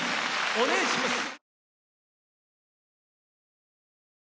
お願いします。